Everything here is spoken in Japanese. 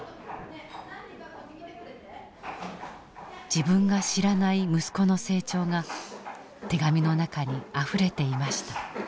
自分が知らない息子の成長が手紙の中にあふれていました。